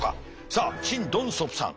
さあチン・ドンソプさん。